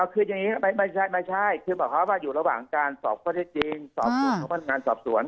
คืออย่างนี้ไม่ใช่คือบรรคภาพบ้านอยู่ระหว่างการสอบพระเทศจริงสอบสวนของพัฒนงานสอบสวน